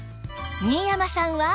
新山さんは？